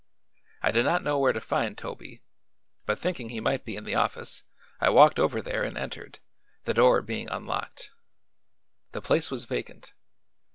I did not know where to find Toby, but thinking he might be in the office I walked over there and entered, the door being unlocked. The place was vacant.